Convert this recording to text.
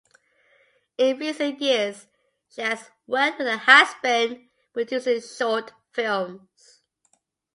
In recent years, she has worked with her husband producing short films.